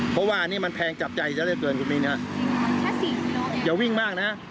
เพราะว่าอันนี้มันแพงจับใจซะเหลือเกินคุณมินฮะอย่าวิ่งมากนะฮะ